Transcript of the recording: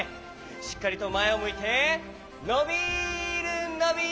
しっかりとまえをむいてのびるのびるストップ！